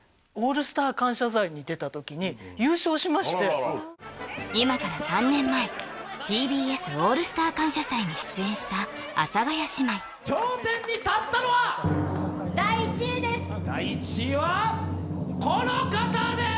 しまして今から３年前ＴＢＳオールスター感謝祭に出演した阿佐ヶ谷姉妹頂点に立ったのは第１位です第１位はこの方です！